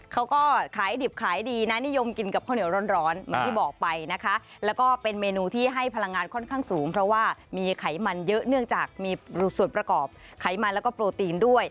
เขาก็ขายดิบขายดีนะนิยมกินกับข้าวเหนียวร้อนเหมือนที่บอกไปนะคะแล้วก็เป็นเมนูที่ให้พลังงานค่อนข้างสูงเพราะว่ามีไขมันเยอะเนื่องจากมีส่วนประกอบไขมันแล้วก็โปรตีนด้วย